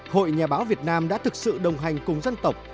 hội nhà báo việt nam đã thực sự đồng hành cùng dân tộc